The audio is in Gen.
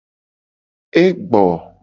E gbo.